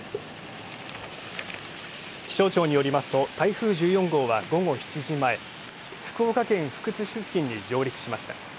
気象庁によりますと、台風１４号は午後７時前、福岡県福津市付近に上陸しました。